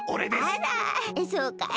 あらそうかい。